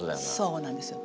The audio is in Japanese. そうなんですよ。